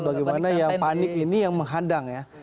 bagaimana yang panik ini yang menghadang ya